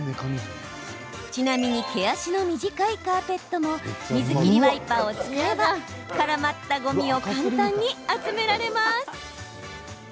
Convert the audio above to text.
ちなみに毛足の短いカーペットも水切りワイパーを使えば絡まったごみを簡単に集められます。